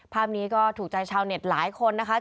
ภาพนี้ก็ถูกใจชาวเน็ตหลายคนนะคะ